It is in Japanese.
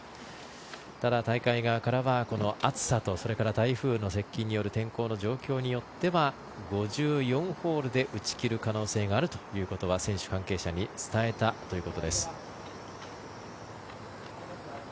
ただ、大会が暑さと台風の接近による天候の状況によっては５４ホールで打ち切る可能性があるということは選手関係者に伝えたということです。